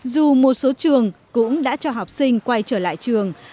dù một số trường cũng đã cho học sinh quay trở lại trường